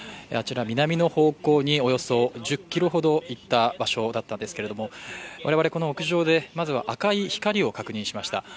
あちら南の方向におよそ１０ｋｍほどいった場所だったんですけれども、我々この屋上で、まずは赤い光を確認しました。